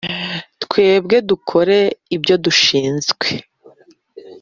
twese dukore ibyo dushinzwe